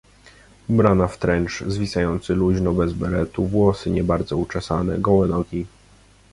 Ubrana w trencz, zwisający luźno, bez beretu, włosy nie bardzo uczesane, gołe nogi.